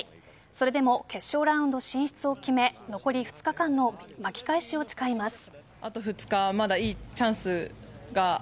それでも決勝ラウンド進出を決め残り２日間の巻き返しを誓います。